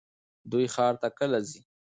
دوی ښار ته کله ځي؟